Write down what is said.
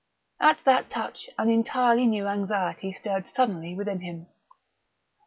At that touch an entirely new anxiety stirred suddenly within him.